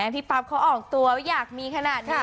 พี่ปั๊บเขาออกตัวว่าอยากมีขนาดนี้